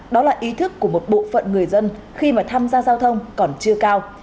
đó là ý thức của một bộ phận người dân khi mà tham gia giao thông còn chưa cao